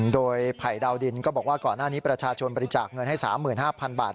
โดยไผ่ดาวดินก็บอกว่าก่อนหน้านี้ประชาชนบริจาคเงินให้๓๕๐๐๐บาท